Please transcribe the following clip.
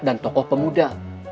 dan tokoh pemuda